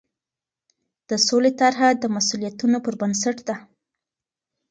د سولې طرحه د مسوولیتونو پر بنسټ ده.